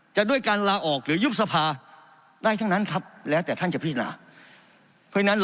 ด้วยการลาออกหรือยุบสภาได้ทั้งนั้นครับแล้วแต่ท่านจะพิจารณา